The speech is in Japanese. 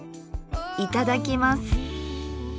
いただきます！